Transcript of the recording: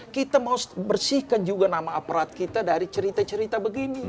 kita mau bersihkan juga nama aparat kita dari cerita cerita begini